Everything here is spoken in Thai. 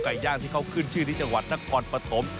ย่างที่เขาขึ้นชื่อที่จังหวัดนครปฐม